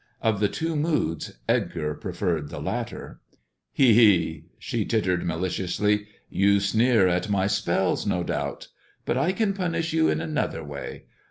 Of the two moods Edgar preferred the latter. " He ! he !" she tittered maliciously, " you sneer at my spells, no doubt ! But I can punish you in another way.